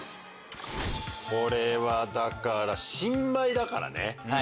これはだから新米だからね。